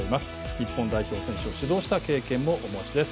日本代表選手を指導した経験もお持ちです。